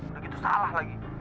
udah gitu salah lagi